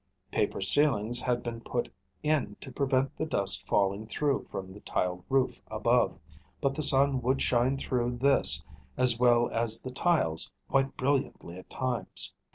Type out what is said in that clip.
Paper ceilings had been put in to prevent the dust falling through from the tiled roof above; but the sun would shine through this as well as the tiles quite brilliantly at times.